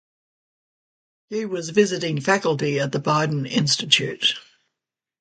She was visiting faculty at the Biden Institute.